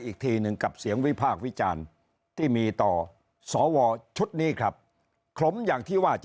อีกทีหนึ่งกับเสียงวิพากษ์วิจารณ์ที่มีต่อสวชุดนี้ครับขลมอย่างที่ว่าจะ